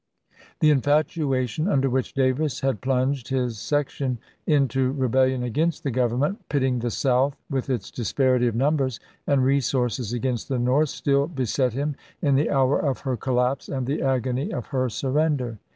The infatuation under which Davis had plunged his section into rebellion against the Government, pitting the South, with its disparity of numbers1 and resources against the North, still beset him in the hour of her collapse and the agony of her surren der.